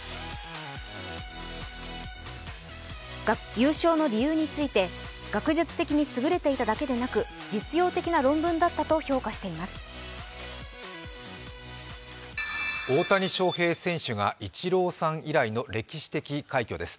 優勝の理由について、学術的に優れていただけでなく実用的な論文だったと評価しています。